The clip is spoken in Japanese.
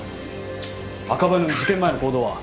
赤羽の事件前の行動は？